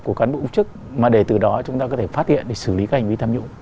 của cán bộ công chức mà để từ đó chúng ta có thể phát hiện để xử lý các hành vi tham nhũng